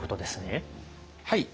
はい。